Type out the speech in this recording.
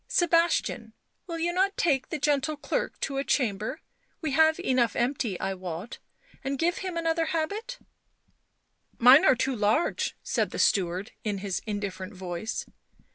" Sebastian, will you not take the gentle clerk to a chamber — we have enough empty, I wot — and give him another habit ?"" Mine are too large," said the steward in his indifferent voice.